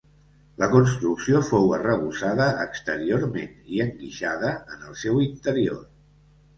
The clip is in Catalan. La construcció fou arrebossada exteriorment i enguixada en el seu interior.